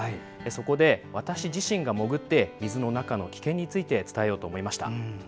そこで、私自身が潜って水の中の危険について伝えようと思いました。